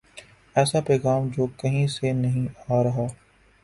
ایسا پیغام جو کہیں سے نہیں آ رہا۔